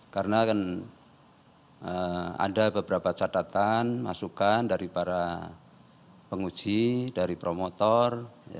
karena kan ada beberapa catatan masukan dari para penguji dari promotor